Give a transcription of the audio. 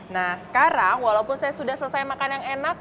nah sekarang walaupun saya sudah selesai makan yang enak